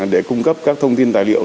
để cung cấp các thông tin tài liệu